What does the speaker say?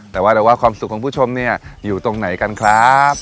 แต่ว่าเราว่าความสุขของผู้ชมเนี่ยอยู่ตรงไหนกันครับ